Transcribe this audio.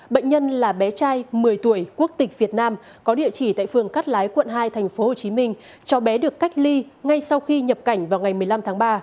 bệnh nhân là bé trai một mươi tuổi quốc tịch việt nam có địa chỉ tại phường cát lái quận hai tp hcm cho bé được cách ly ngay sau khi nhập cảnh vào ngày một mươi năm tháng ba